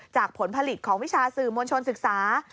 ผลผลิตของวิชาสื่อมวลชนศึกษา